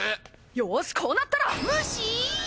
よしこうなったら！無視！？